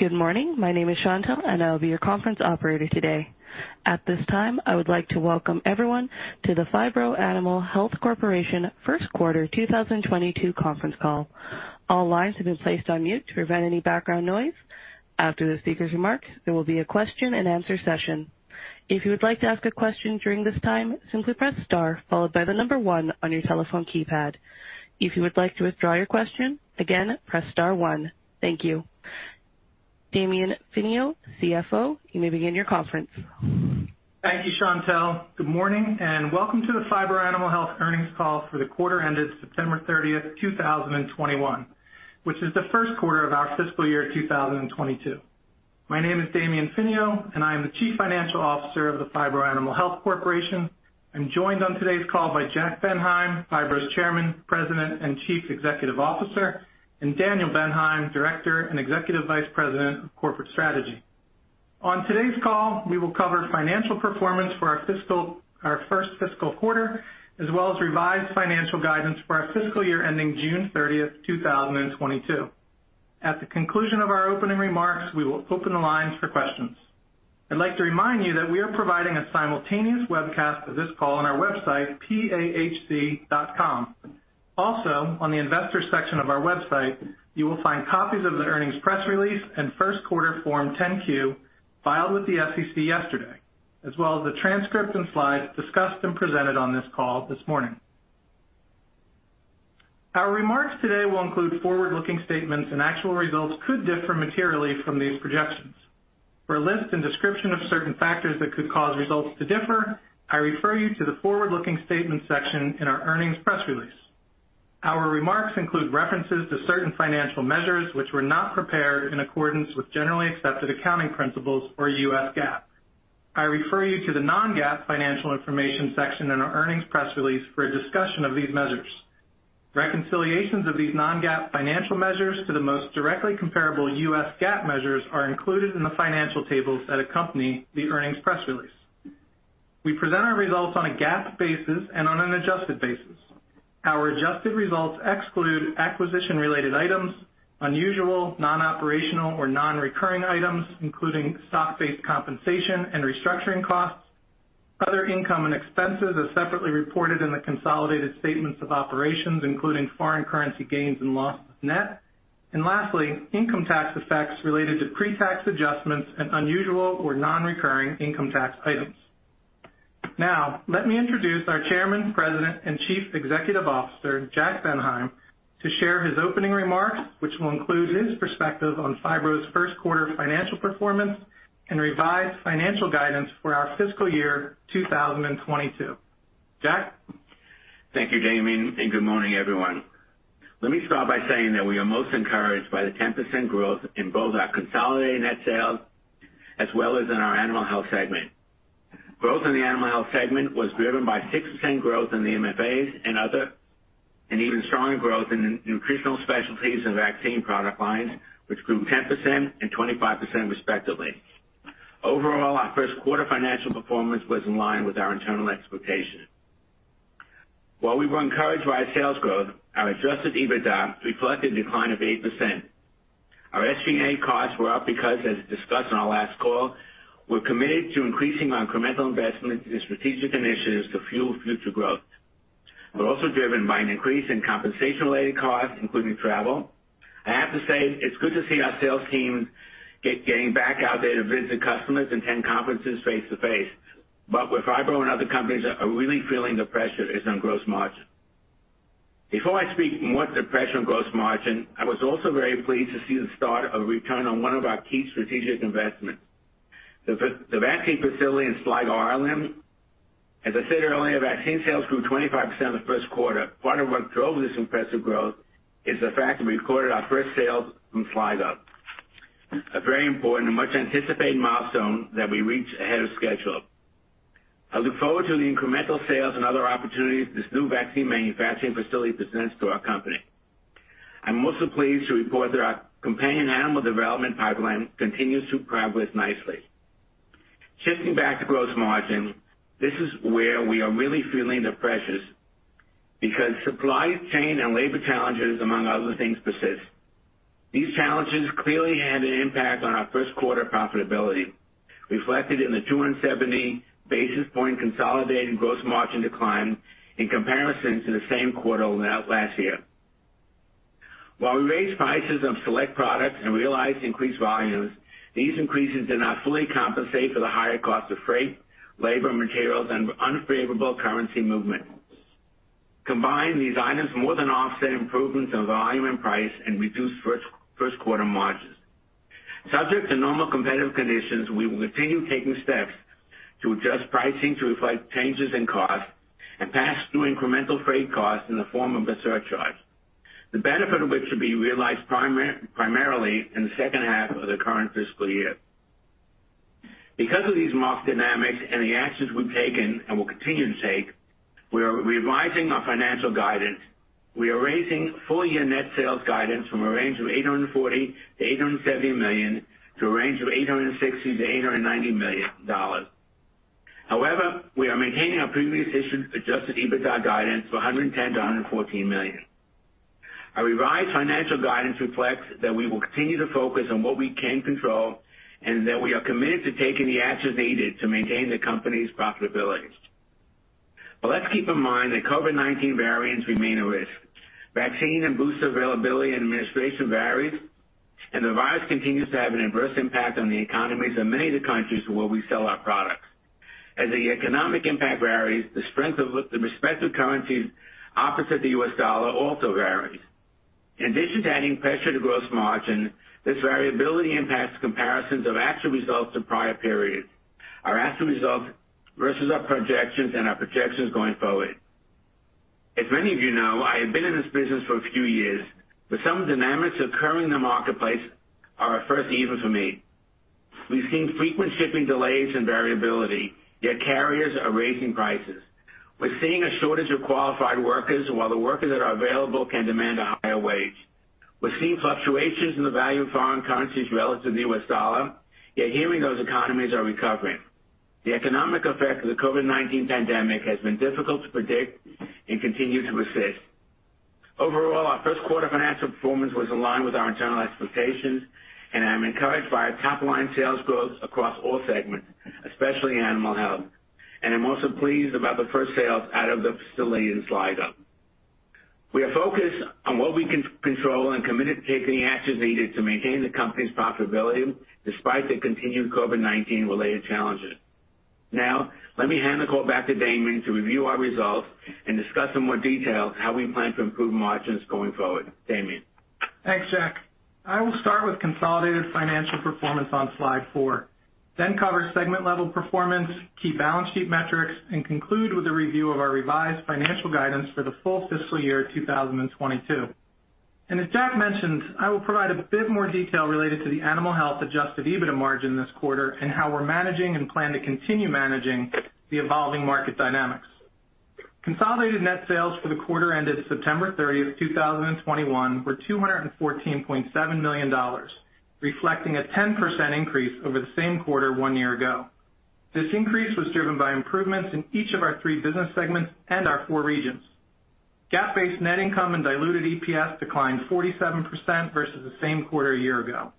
Good morning. My name is Shantel, and I'll be your conference operator today. At this time, I would like to welcome everyone to the Phibro Animal Health Corporation First Quarter 2022 conference call. All lines have been placed on mute to prevent any background noise. After the speaker's remarks, there will be a question-and-answer session. If you would like to ask a question during this time, simply press Star followed by the number one on your telephone keypad. If you would like to withdraw your question, again, press Star one. Thank you. Damian Finio, CFO, you may begin your conference. Thank you, Shantel. Good morning, and welcome to the Phibro Animal Health earnings call for the quarter ended September 30th, 2021, which is the first quarter of our FY 2022. My name is Damian Finio, and I am the Chief Financial Officer of the Phibro Animal Health Corporation. I'm joined on today's call by Jack Bendheim, Phibro's Chairman, President, and Chief Executive Officer, and Daniel Bendheim, Director and Executive Vice President of Corporate Strategy. On today's call, we will cover financial performance for our first fiscal quarter, as well as revised financial guidance for our fiscal year ending June 30th, 2022. At the conclusion of our opening remarks, we will open the lines for questions. I'd like to remind you that we are providing a simultaneous webcast of this call on our website, pahc.com. Also, on the investor section of our website, you will find copies of the earnings press release and first quarter Form 10-Q filed with the SEC yesterday, as well as the transcript and slides discussed and presented on this call this morning. Our remarks today will include forward-looking statements, and actual results could differ materially from these projections. For a list and description of certain factors that could cause results to differ, I refer you to the forward-looking statements section in our earnings press release. Our remarks include references to certain financial measures which were not prepared in accordance with generally accepted accounting principles or US GAAP. I refer you to the non-GAAP financial information section in our earnings press release for a discussion of these measures. Reconciliations of these non-GAAP financial measures to the most directly comparable US GAAP measures are included in the financial tables that accompany the earnings press release. We present our results on a GAAP basis and on an adjusted basis. Our adjusted results exclude acquisition-related items, unusual non-operational or non-recurring items, including stock-based compensation and restructuring costs. Other income and expenses are separately reported in the consolidated statements of operations, including foreign currency gains and losses net, and lastly, income tax effects related to pre-tax adjustments and unusual or non-recurring income tax items. Now, let me introduce our Chairman, President, and Chief Executive Officer, Jack Bendheim, to share his opening remarks, which will include his perspective on Phibro's first quarter financial performance and revised financial guidance for our FY 2022. Jack? Thank you, Damian, and good morning, everyone. Let me start by saying that we are most encouraged by the 10% growth in both our consolidated net sales as well as in our Animal Health segment. Growth in the Animal Health segment was driven by 6% growth in the MFAs and other, and even stronger growth in the Nutritional Specialties and vaccine product lines, which grew 10% and 25%, respectively. Overall, our first quarter financial performance was in line with our internal expectations. While we were encouraged by our sales growth, our adjusted EBITDA reflected a decline of 8%. Our SG&A costs were up because, as discussed on our last call, we're committed to increasing our incremental investment in strategic initiatives to fuel future growth. We're also driven by an increase in compensation-related costs, including travel. I have to say it's good to see our sales teams getting back out there to visit customers and attend conferences face-to-face. Where Phibro and other companies are really feeling the pressure is on gross margin. Before I speak more to the pressure on gross margin, I was also very pleased to see the start of return on one of our key strategic investments, the vaccine facility in Sligo, Ireland. As I said earlier, vaccine sales grew 25% in the first quarter. Part of what drove this impressive growth is the fact that we recorded our first sales from Sligo, a very important and much-anticipated milestone that we reached ahead of schedule. I look forward to the incremental sales and other opportunities this new vaccine manufacturing facility presents to our company. I'm also pleased to report that our companion animal development pipeline continues to progress nicely. Shifting back to gross margin, this is where we are really feeling the pressures because supply chain and labor challenges, among other things, persist. These challenges clearly had an impact on our first quarter profitability, reflected in the 270 basis points consolidated gross margin decline in comparison to the same quarter last year. While we raised prices of select products and realized increased volumes, these increases did not fully compensate for the higher cost of freight, labor, materials, and unfavorable currency movement. Combined, these items more than offset improvements in volume and price and reduced first quarter margins. Subject to normal competitive conditions, we will continue taking steps to adjust pricing to reflect changes in cost and pass through incremental freight costs in the form of a surcharge, the benefit of which should be realized primarily in the second half of the current fiscal year. Because of these market dynamics and the actions we've taken and will continue to take, we are revising our financial guidance. We are raising full-year net sales guidance from a range of $840 million-$870 million to a range of $860 million-$890 million. However, we are maintaining our previously issued adjusted EBITDA guidance of $110 million-$114 million. Our revised financial guidance reflects that we will continue to focus on what we can control and that we are committed to taking the actions needed to maintain the company's profitability. Let's keep in mind that COVID-19 variants remain a risk. Vaccine and booster availability and administration varies, and the virus continues to have an adverse impact on the economies of many of the countries where we sell our products. As the economic impact varies, the strength of the respective currencies opposite the U.S. dollar also varies. In addition to adding pressure to gross margin, this variability impacts comparisons of actual results to prior periods, our actual results versus our projections, and our projections going forward. As many of you know, I have been in this business for a few years, but some of the dynamics occurring in the marketplace are a first even for me. We've seen frequent shipping delays and variability, yet carriers are raising prices. We're seeing a shortage of qualified workers, while the workers that are available can demand a higher wage. We're seeing fluctuations in the value of foreign currencies relative to the U.S. dollar, yet hearing those economies are recovering. The economic effect of the COVID-19 pandemic has been difficult to predict and continues to persist. Overall, our first quarter financial performance was aligned with our internal expectations, and I'm encouraged by our top line sales growth across all segments, especially Animal Health. I'm also pleased about the first sales out of the facility in Sligo. We are focused on what we can control and committed to taking the actions needed to maintain the company's profitability despite the continued COVID-19-related challenges. Now, let me hand the call back to Damian to review our results and discuss in more detail how we plan to improve margins going forward. Damian. Thanks, Jack. I will start with consolidated financial performance on slide four, then cover segment-level performance, key balance sheet metrics, and conclude with a review of our revised financial guidance for the full FY 2022. As Jack mentioned, I will provide a bit more detail related to the Animal Health adjusted EBITDA margin this quarter and how we're managing and plan to continue managing the evolving market dynamics. Consolidated net sales for the quarter ended September 30th, 2021 were $214.7 million, reflecting a 10% increase over the same quarter one year ago. This increase was driven by improvements in each of our three business segments and our four regions. GAAP-based net income and diluted EPS declined 47% versus the same quarter a year ago.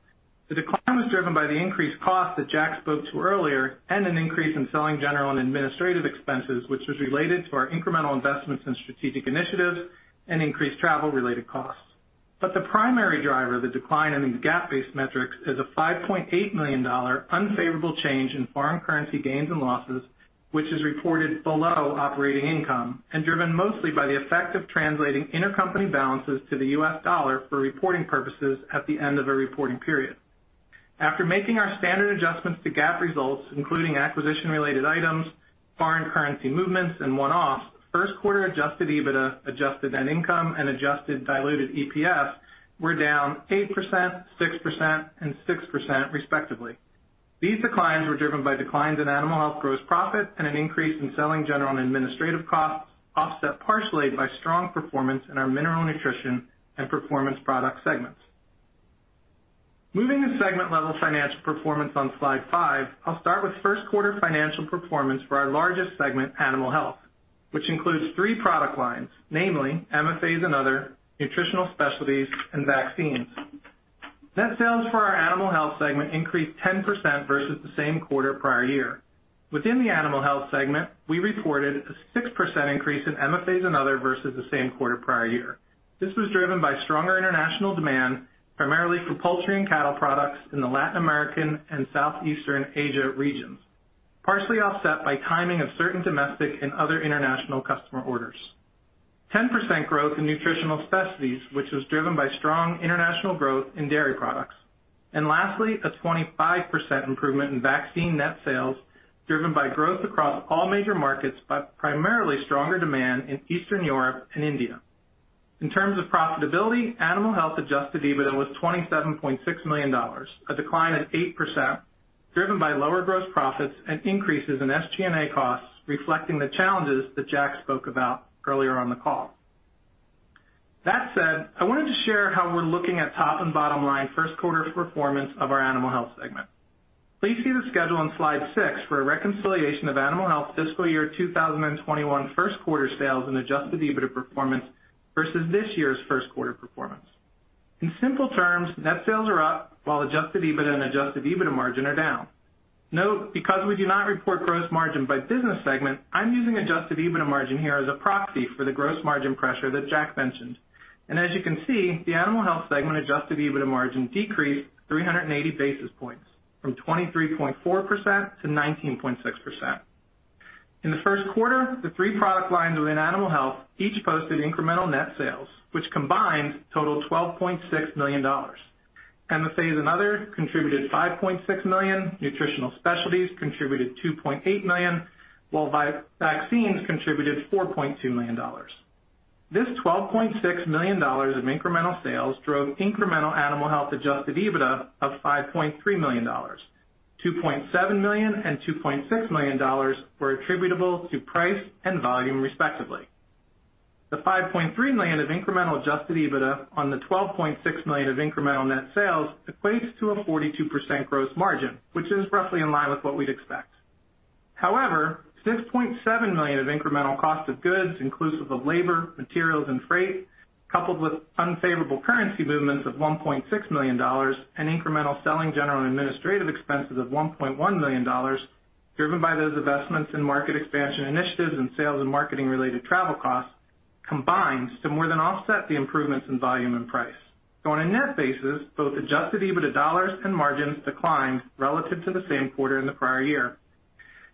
The decline was driven by the increased cost that Jack spoke to earlier and an increase in selling general and administrative expenses, which was related to our incremental investments in strategic initiatives and increased travel-related costs. The primary driver of the decline in these GAAP-based metrics is a $5.8 million unfavorable change in foreign currency gains and losses, which is reported below operating income and driven mostly by the effect of translating intercompany balances to the U.S. dollar for reporting purposes at the end of a reporting period. After making our standard adjustments to GAAP results, including acquisition-related items, foreign currency movements, and one-offs, first quarter adjusted EBITDA, adjusted net income, and adjusted diluted EPS were down 8%, 6%, and 6% respectively. These declines were driven by declines in Animal Health gross profit and an increase in selling general and administrative costs, offset partially by strong performance in our Mineral Nutrition and Performance Products segments. Moving to segment-level financial performance on slide five, I'll start with first quarter financial performance for our largest segment, Animal Health, which includes three product lines, namely MFAs and other, Nutritional Specialties, and vaccines. Net sales for our Animal Health segment increased 10% versus the same quarter prior year. Within the Animal Health segment, we reported a 6% increase in MFAs and other versus the same quarter prior year. This was driven by stronger international demand, primarily for poultry and cattle products in the Latin American and Southeast Asia regions, partially offset by timing of certain domestic and other international customer orders. 10% growth in Nutritional Specialties, which was driven by strong international growth in dairy products. Lastly, a 25% improvement in vaccine net sales, driven by growth across all major markets, but primarily stronger demand in Eastern Europe and India. In terms of profitability, Animal Health adjusted EBITDA was $27.6 million, a decline of 8%, driven by lower gross profits and increases in SG&A costs, reflecting the challenges that Jack spoke about earlier on the call. That said, I wanted to share how we're looking at top and bottom line first quarter performance of our Animal Health segment. Please see the schedule on slide six for a reconciliation of Animal Health FY 2021 first quarter sales and adjusted EBITDA performance versus this year's first quarter performance. In simple terms, net sales are up while adjusted EBITDA and adjusted EBITDA margin are down. Note, because we do not report gross margin by business segment, I'm using adjusted EBITDA margin here as a proxy for the gross margin pressure that Jack mentioned. As you can see, the Animal Health segment adjusted EBITDA margin decreased 380 basis points from 23.4% to 19.6%. In the first quarter, the three product lines within Animal Health each posted incremental net sales, which combined totaled $12.6 million. MFAs and other contributed $5.6 million, Nutritional Specialties contributed $2.8 million, while vaccines contributed $4.2 million. This $12.6 million of incremental sales drove incremental Animal Health adjusted EBITDA of $5.3 million. $2.7 million and $2.6 million were attributable to price and volume, respectively. The $5.3 million of incremental adjusted EBITDA on the $12.6 million of incremental net sales equates to a 42% gross margin, which is roughly in line with what we'd expect. However, $6.7 million of incremental cost of goods inclusive of labor, materials, and freight, coupled with unfavorable currency movements of $1.6 million and incremental selling general and administrative expenses of $1.1 million, driven by those investments in market expansion initiatives and sales and marketing-related travel costs, combines to more than offset the improvements in volume and price. On a net basis, both adjusted EBITDA dollars and margins declined relative to the same quarter in the prior year.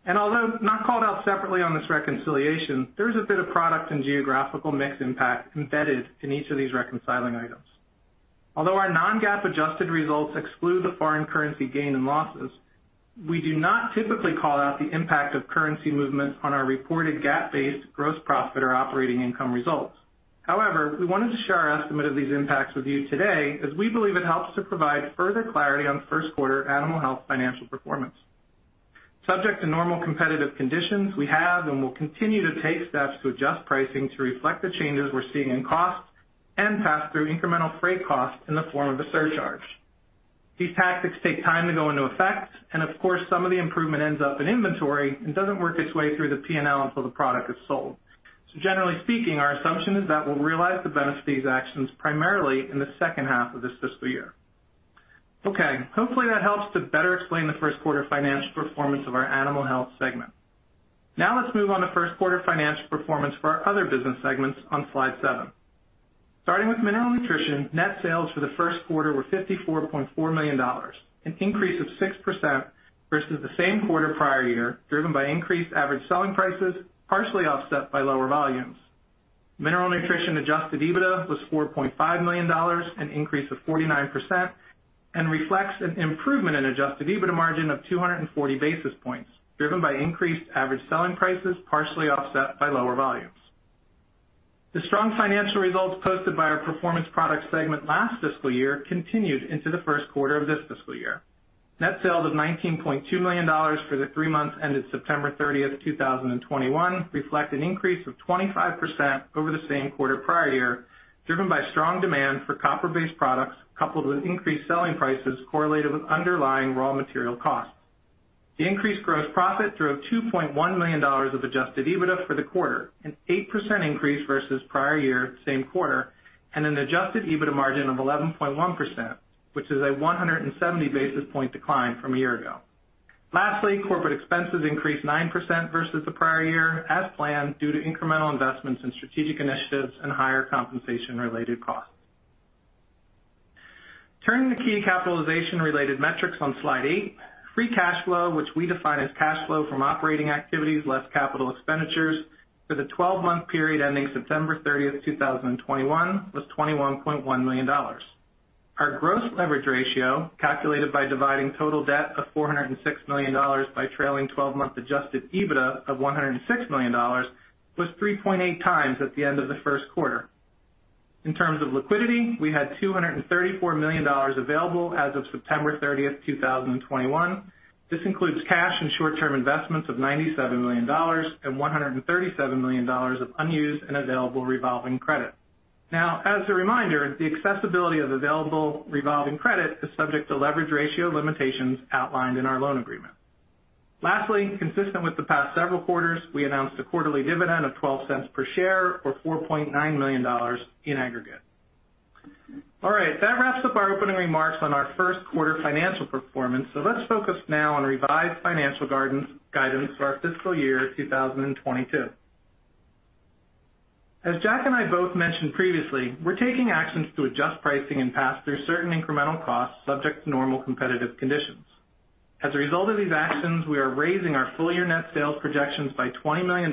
Although not called out separately on this reconciliation, there is a bit of product and geographical mix impact embedded in each of these reconciling items. Although our non-GAAP adjusted results exclude the foreign currency gain and losses, we do not typically call out the impact of currency movements on our reported GAAP-based gross profit or operating income results. However, we wanted to share our estimate of these impacts with you today, as we believe it helps to provide further clarity on first quarter animal health financial performance. Subject to normal competitive conditions, we have and will continue to take steps to adjust pricing to reflect the changes we're seeing in costs and pass through incremental freight costs in the form of a surcharge. These tactics take time to go into effect, and of course, some of the improvement ends up in inventory and doesn't work its way through the P&L until the product is sold. Generally speaking, our assumption is that we'll realize the benefit of these actions primarily in the second half of this fiscal year. Okay, hopefully that helps to better explain the first quarter financial performance of our Animal Health segment. Now let's move on to first quarter financial performance for our other business segments on slide seven. Starting with Mineral Nutrition, net sales for the first quarter were $54.4 million, an increase of 6% versus the same quarter prior year, driven by increased average selling prices, partially offset by lower volumes. Mineral Nutrition adjusted EBITDA was $4.5 million, an increase of 49%, and reflects an improvement in adjusted EBITDA margin of 240 basis points driven by increased average selling prices, partially offset by lower volumes. The strong financial results posted by our Performance Products segment last fiscal year continued into the first quarter of this fiscal year. Net sales of $19.2 million for the three months ended September 30th, 2021 reflect an increase of 25% over the same quarter prior year, driven by strong demand for copper-based products, coupled with increased selling prices correlated with underlying raw material costs. The increased gross profit drove $2.1 million of adjusted EBITDA for the quarter, an 8% increase versus prior year same quarter, and an adjusted EBITDA margin of 11.1%, which is a 170 basis point decline from a year ago. Lastly, corporate expenses increased 9% versus the prior year as planned due to incremental investments in strategic initiatives and higher compensation-related costs. Turning to key capitalization-related metrics on slide eight, free cash flow, which we define as cash flow from operating activities less capital expenditures for the 12-month period ending September 30th, 2021 was $21.1 million. Our gross leverage ratio, calculated by dividing total debt of $406 million by trailing 12-month adjusted EBITDA of $106 million, was 3.8x at the end of the first quarter. In terms of liquidity, we had $234 million available as of September 30th, 2021. This includes cash and short-term investments of $97 million and $137 million of unused and available revolving credit. Now, as a reminder, the accessibility of available revolving credit is subject to leverage ratio limitations outlined in our loan agreement. Lastly, consistent with the past several quarters, we announced a quarterly dividend of $0.12 per share or $4.9 million in aggregate. All right, that wraps up our opening remarks on our first quarter financial performance. Let's focus now on revised financial guidance for our FY 2022. As Jack and I both mentioned previously, we're taking actions to adjust pricing and pass through certain incremental costs subject to normal competitive conditions. As a result of these actions, we are raising our full-year net sales projections by $20 million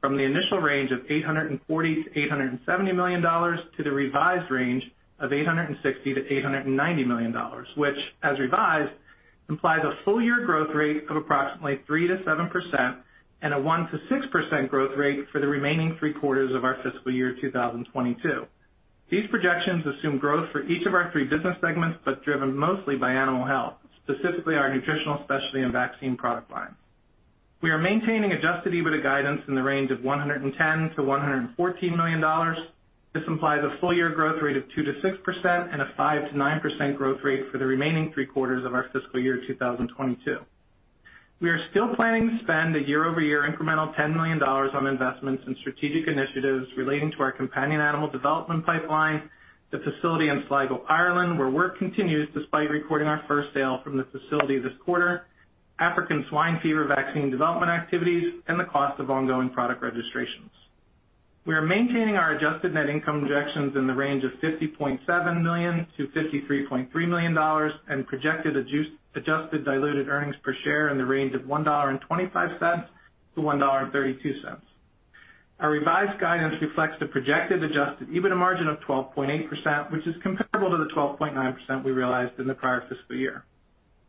from the initial range of $840 million-$870 million to the revised range of $860 million-$890 million, which as revised, implies a full-year growth rate of approximately 3%-7% and a 1%-6% growth rate for the remaining three quarters of our FY 2022. These projections assume growth for each of our three business segments, but driven mostly by Animal Health, specifically our Nutritional Specialties and vaccine product lines. We are maintaining adjusted EBITDA guidance in the range of $110 million-$114 million. This implies a full-year growth rate of 2%-6% and a 5%-9% growth rate for the remaining three quarters of our FY 2022. We are still planning to spend a year-over-year incremental $10 million on investments in strategic initiatives relating to our companion animal development pipeline, the facility in Sligo, Ireland, where work continues despite recording our first sale from the facility this quarter, African swine fever vaccine development activities, and the cost of ongoing product registrations. We are maintaining our adjusted net income projections in the range of $50.7 million-$53.3 million and projected adjusted diluted earnings per share in the range of $1.25-$1.32. Our revised guidance reflects the projected adjusted EBITDA margin of 12.8%, which is comparable to the 12.9% we realized in the prior fiscal year.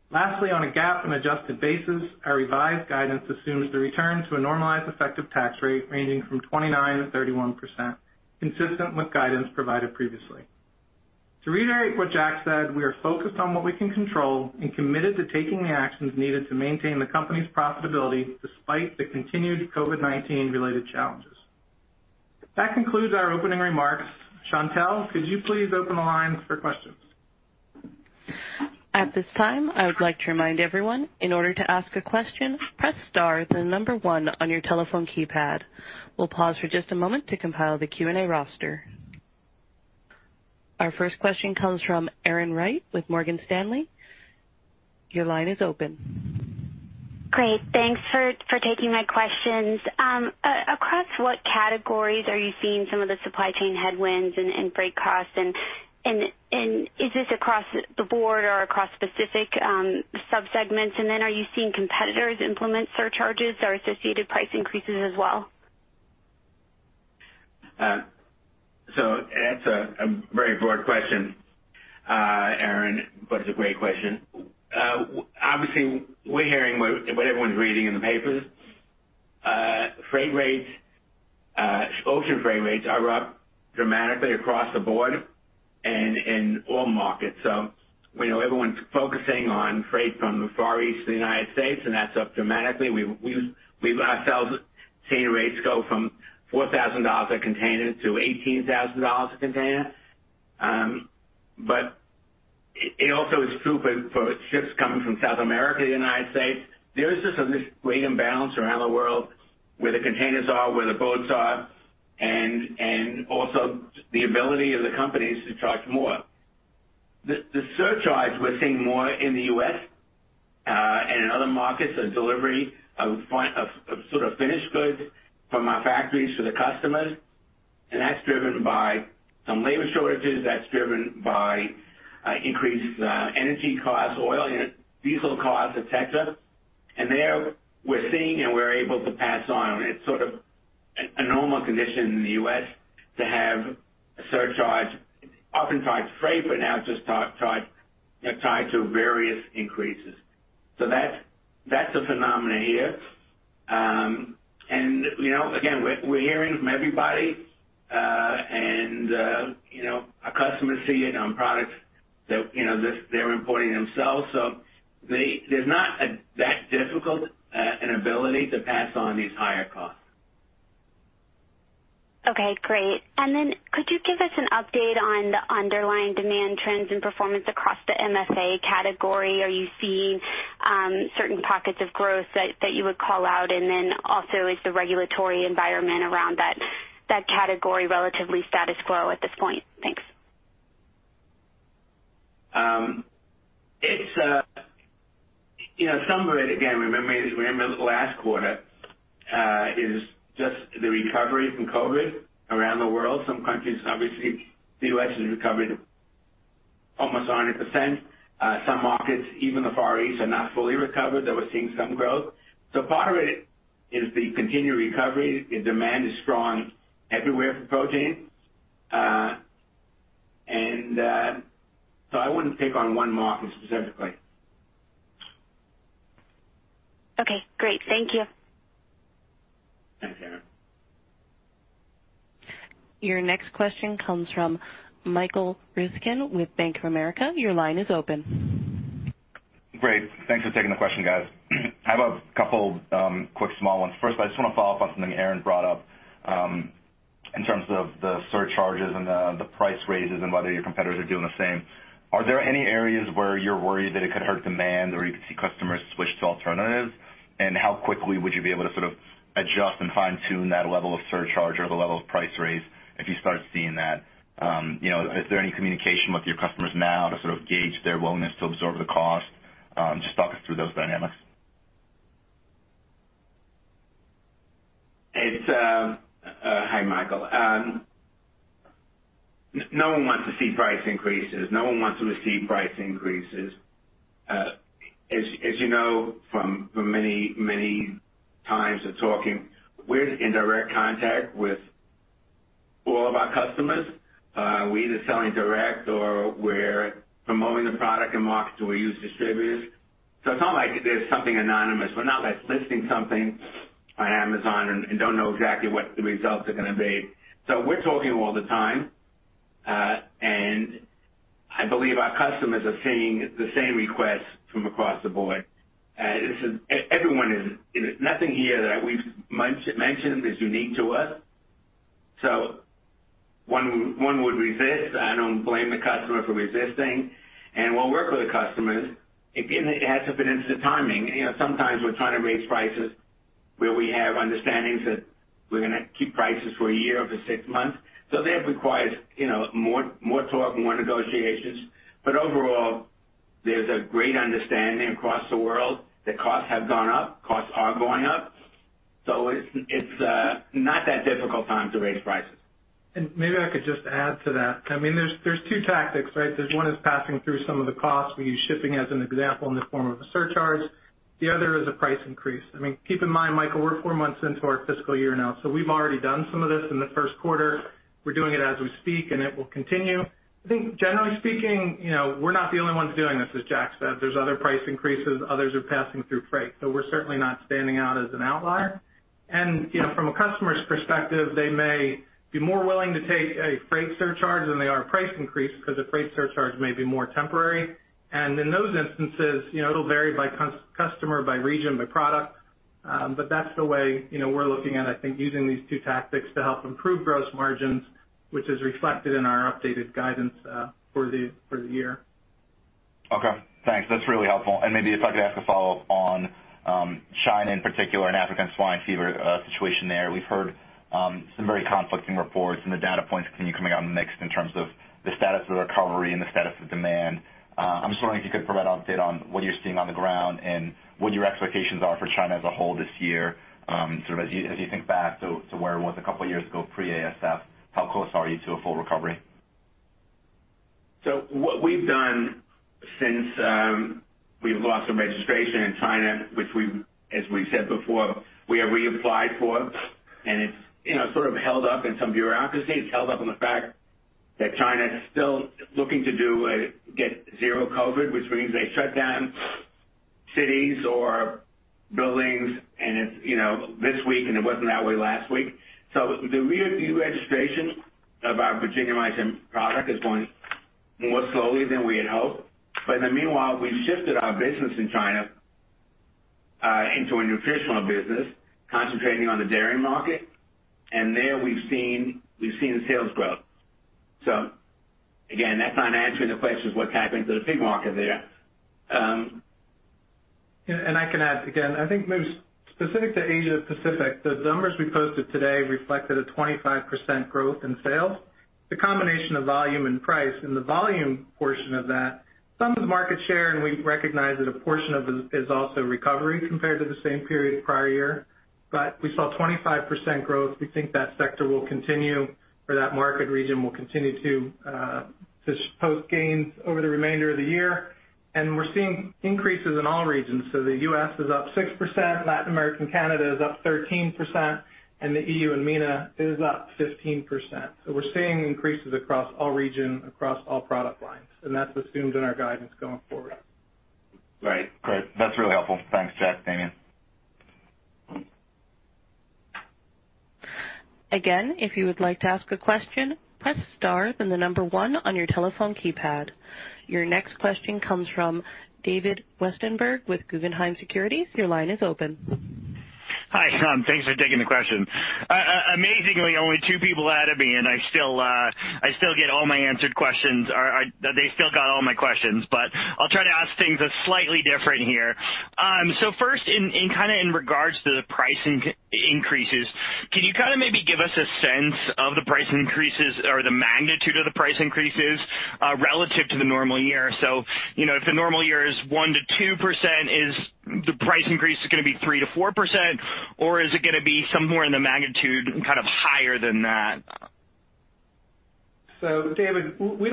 Lastly, on a GAAP and adjusted basis, our revised guidance assumes the return to a normalized effective tax rate ranging from 29%-31%, consistent with guidance provided previously. To reiterate what Jack said, we are focused on what we can control and committed to taking the actions needed to maintain the company's profitability despite the continued COVID-19 related challenges. That concludes our opening remarks. Shantel, could you please open the lines for questions? At this time, I would like to remind everyone, in order to ask a question, press star then number one on your telephone keypad. We'll pause for just a moment to compile the Q&A roster. Our first question comes from Erin Wright with Morgan Stanley. Your line is open. Great. Thanks for taking my questions. Across what categories are you seeing some of the supply chain headwinds and freight costs, and is this across the board or across specific sub-segments? Are you seeing competitors implement surcharges or associated price increases as well? That's a very broad question, Erin, but it's a great question. Obviously we're hearing what everyone's reading in the papers. Freight rates, ocean freight rates are up dramatically across the board and in all markets. We know everyone's focusing on freight from the Far East to the United States, and that's up dramatically. We've ourselves seen rates go from $4,000 a container to $18,000 a container. But it also is true for ships coming from South America to the United States. There is just this great imbalance around the world where the containers are, where the boats are, and also the ability of the companies to charge more. The surcharges we're seeing more in the U.S. and in other markets are delivery of sort of finished goods from our factories to the customers. That's driven by some labor shortages. That's driven by increased energy costs, oil and diesel costs et cetera. There we're seeing and we're able to pass on. It's sort of a normal condition in the U.S. to have a surcharge oftentimes freight, but now just tied to various increases. That's a phenomenon here. And you know again we're hearing from everybody and you know our customers see it on products that they're importing themselves. There's not that difficult an ability to pass on these higher costs. Okay, great. Could you give us an update on the underlying demand trends and performance across the MFA category? Are you seeing certain pockets of growth that you would call out? Also, is the regulatory environment around that category relatively status quo at this point? Thanks. It's, you know, some of it, again, remember last quarter, is just the recovery from COVID around the world. Some countries, obviously, the U.S. has recovered almost 100%. Some markets, even the Far East, are not fully recovered, though we're seeing some growth. Part of it is the continued recovery. The demand is strong everywhere for protein. I wouldn't pick on one market specifically. Okay, great. Thank you. Thanks, Erin. Your next question comes from Michael Ryskin with Bank of America. Your line is open. Great. Thanks for taking the question, guys. I have a couple quick small ones. First, I just wanna follow up on something Erin brought up in terms of the surcharges and the price raises and whether your competitors are doing the same. Are there any areas where you're worried that it could hurt demand or you could see customers switch to alternatives? And how quickly would you be able to sort of adjust and fine-tune that level of surcharge or the level of price raise if you start seeing that? You know, is there any communication with your customers now to sort of gauge their willingness to absorb the cost? Just talk us through those dynamics. Hi, Michael. No one wants to see price increases. No one wants to receive price increases. As you know, from many times of talking, we're in direct contact with all of our customers. We're either selling direct or we're promoting the product and market, so we use distributors. It's not like there's something anonymous. We're not like listing something on Amazon and don't know exactly what the results are gonna be. We're talking all the time, and I believe our customers are seeing the same requests from across the board. This is, everyone is. Nothing here that we've mentioned is unique to us. One would resist. I don't blame the customer for resisting. We'll work with the customers. Again, it has to fit into the timing. You know, sometimes we're trying to raise prices where we have understandings that we're gonna keep prices for a year over six months. That requires, you know, more talk, more negotiations. Overall, there's a great understanding across the world that costs have gone up, costs are going up. It's not that difficult time to raise prices. Maybe I could just add to that. I mean, there's two tactics, right? There's one is passing through some of the costs. We use shipping as an example in the form of a surcharge. The other is a price increase. I mean, keep in mind, Michael, we're four months into our fiscal year now, so we've already done some of this in the first quarter. We're doing it as we speak, and it will continue. I think generally speaking, you know, we're not the only ones doing this, as Jack said. There's other price increases. Others are passing through freight, so we're certainly not standing out as an outlier. You know, from a customer's perspective, they may be more willing to take a freight surcharge than they are a price increase because a freight surcharge may be more temporary. In those instances, you know, it'll vary by customer, by region, by product. That's the way, you know, we're looking at, I think, using these two tactics to help improve gross margins, which is reflected in our updated guidance for the year. Okay, thanks. That's really helpful. Maybe if I could ask a follow-up on China in particular and African swine fever situation there. We've heard some very conflicting reports, and the data points continue coming out mixed in terms of the status of the recovery and the status of demand. I'm just wondering if you could provide update on what you're seeing on the ground and what your expectations are for China as a whole this year, sort of as you think back to where it was a couple years ago pre-ASF, how close are you to a full recovery? What we've done since we've lost the registration in China, which, as we said before, we have reapplied for, and it's, you know, sort of held up in some bureaucracy. It's held up on the fact that China is still looking to get zero COVID, which means they shut down cities or buildings, and it's, you know, this week, and it wasn't that way last week. The re-registration of our Virginiamycin product is going more slowly than we had hoped. In the meanwhile, we've shifted our business in China into a nutritional business, concentrating on the dairy market. There we've seen sales growth. Again, that's not answering the question of what's happening to the pig market there. I can add again. I think maybe specific to Asia-Pacific, the numbers we posted today reflected a 25% growth in sales. The combination of volume and price, and the volume portion of that, some is market share, and we recognize that a portion of it is also recovery compared to the same period prior year. We saw 25% growth. We think that sector will continue, or that market region will continue to post gains over the remainder of the year. We're seeing increases in all regions. The U.S. is up 6%, Latin America and Canada is up 13%, and the EU and MENA is up 15%. We're seeing increases across all regions, across all product lines, and that's assumed in our guidance going forward. Right. Great. That's really helpful. Thanks, Jack, Damian. Again, if you would like to ask a question, press star, then the number one on your telephone keypad. Your next question comes from David Westenberg with Guggenheim Securities. Your line is open. Hi, thanks for taking the question. Amazingly, only two people ahead of me, and I still get all my answered questions. They still got all my questions. I'll try to ask things that's slightly different here. First, in kinda in regards to the price increases, can you kind of maybe give us a sense of the price increases or the magnitude of the price increases, relative to the normal year? You know, if the normal year is 1%-2%, is the price increase gonna be 3%-4%, or is it gonna be somewhere in the magnitude, kind of higher than that? David, we're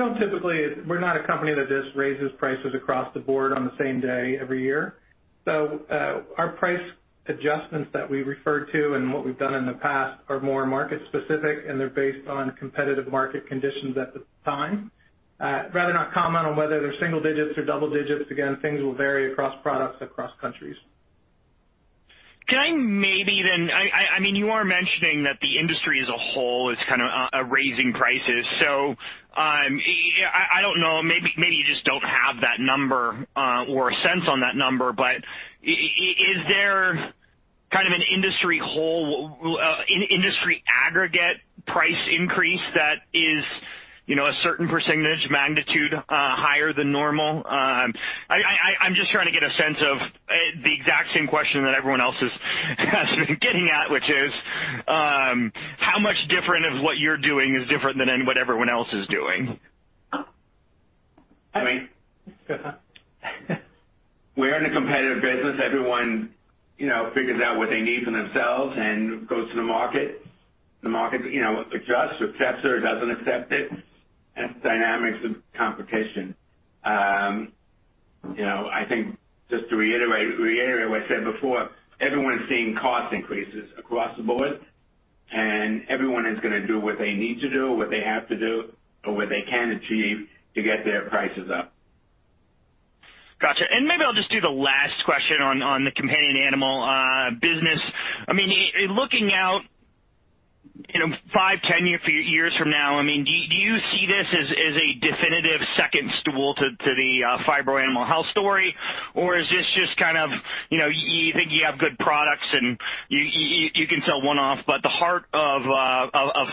not a company that just raises prices across the board on the same day every year. Our price adjustments that we referred to and what we've done in the past are more market-specific, and they're based on competitive market conditions at the time. I'd rather not comment on whether they're single digits or double digits. Again, things will vary across products, across countries. Can I maybe then, I mean, you are mentioning that the industry as a whole is kind of raising prices. I don't know, maybe you just don't have that number or a sense on that number. Is there kind of an industry aggregate price increase that is, you know, a certain percentage magnitude higher than normal? I'm just trying to get a sense of the exact same question that everyone else has been getting at, which is, how much different of what you're doing is different than what everyone else is doing? I mean, we're in a competitive business. Everyone, you know, figures out what they need for themselves and goes to the market. The market, you know, adjusts, accepts it or doesn't accept it. That's the dynamics of competition. You know, I think just to reiterate what I said before, everyone's seeing cost increases across the board, and everyone is gonna do what they need to do, what they have to do, or what they can achieve to get their prices up. Gotcha. Maybe I'll just do the last question on the companion animal business. I mean, looking out, you know, five, 10 years, a few years from now, I mean, do you see this as a definitive second stool to the Phibro Animal Health story? Is this just kind of, you know, you think you have good products and you can sell one-off, but the heart of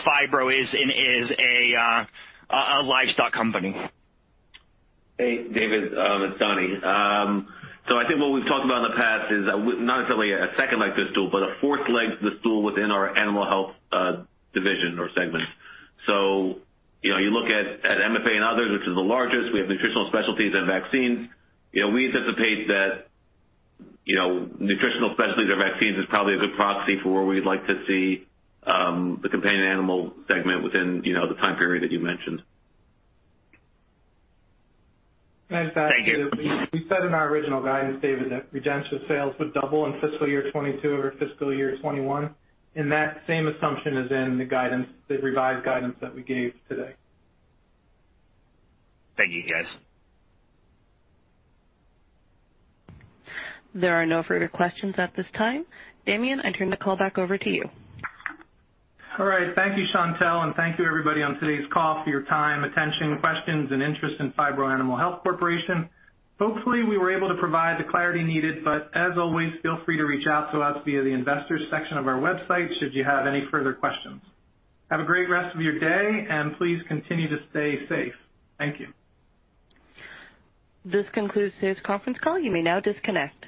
Phibro is in a livestock company? Hey, David, it's Donnie. I think what we've talked about in the past is not necessarily a second leg to the stool, but a fourth leg to the stool within our Animal Health division or segment. You know, you look at MFA and others, which is the largest. We have Nutritional Specialties and vaccines. You know, we anticipate that nutritional specialties or vaccines is probably a good proxy for where we'd like to see the companion animal segment within the time period that you mentioned. Thank you. We said in our original guidance, David, that Rejensa sales would double in FY 2022 over FY 2021, and that same assumption is in the guidance, the revised guidance that we gave today. Thank you, guys. There are no further questions at this time. Damian, I turn the call back over to you. All right. Thank you, Shantel, and thank you everybody on today's call for your time, attention, questions, and interest in Phibro Animal Health Corporation. Hopefully, we were able to provide the clarity needed, but as always, feel free to reach out to us via the investors section of our website should you have any further questions. Have a great rest of your day, and please continue to stay safe. Thank you. This concludes today's conference call. You may now disconnect.